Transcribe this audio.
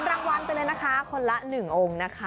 รางวัลไปเลยนะคะคนละ๑องค์นะคะ